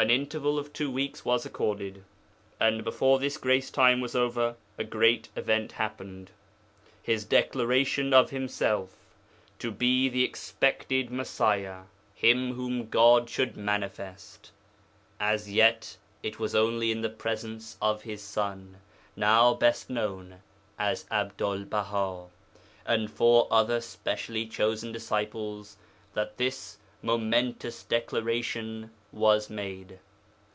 An interval of two weeks was accorded, and before this grace time was over a great event happened his declaration of himself to be the expected Messiah (Him whom God should manifest). As yet it was only in the presence of his son (now best known as Abdul Baha) and four other specially chosen disciples that this momentous declaration was made.